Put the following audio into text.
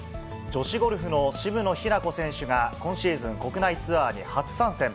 女子ゴルフの渋野日向子選手が、今シーズン国内ツアーに初参戦。